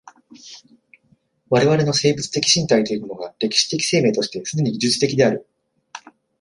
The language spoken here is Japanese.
我々の生物的身体というものが歴史的生命として既に技術的である。